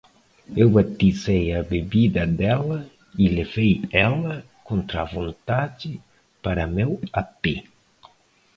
Eu batizei a bebida dela e levei ela contra a vontade para meu apê